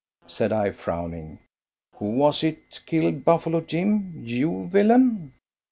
said I, frowning, "Who was it killed Buffalo Jim, you villain?"